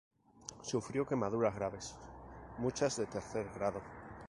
Sufrió quemaduras graves, muchas de tercer grado.